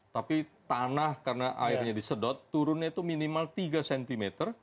tapi tanah karena airnya disedot turunnya itu minimal tiga cm